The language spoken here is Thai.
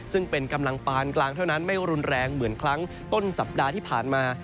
ซึ่งเป็นกำลังปานกลางเท่านั้นไม่รุนแรงเหมือนครั้งต้นสัปดาห์ที่ผ่านมา